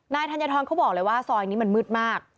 ธัญฑรเขาบอกเลยว่าซอยนี้มันมืดมาก